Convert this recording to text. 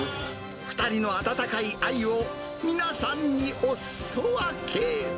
２人の温かい愛を皆さんにおすそ分け。